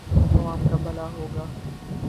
عوام کا بھلا ہو گا۔